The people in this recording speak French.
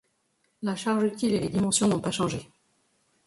La charge utile et les dimensions n'ont pas changé.